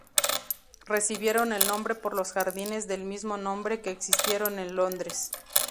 Recibieron el nombre por los jardines del mismo nombre que existieron en Londres.